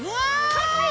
かっこいい！